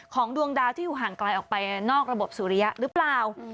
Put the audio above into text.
ดวงดาวที่อยู่ห่างไกลออกไปนอกระบบสุริยะหรือเปล่า